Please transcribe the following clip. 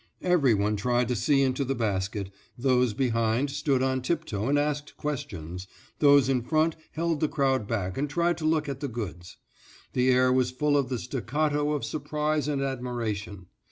Every one tried to see into the basket, those behind stood on tiptoe and asked questions, those in front held the crowd back and tried to look at the goods. The air was full of the staccato of surprise and admiration.